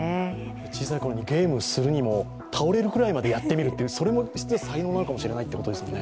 小さいころにゲームするにも倒れるぐらいまでやってみるというそれも一つの才能なのかもしれないということですね。